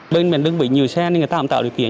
bên mình đơn vị nhiều xe nên người ta cũng tạo điều kiện